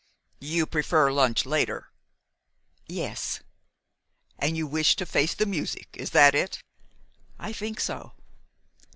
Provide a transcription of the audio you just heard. "You prefer to lunch later?" "Yes." "And you wish to face the music is that it?" "I think so."